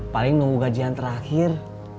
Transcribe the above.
paling nunggu gajian terakhir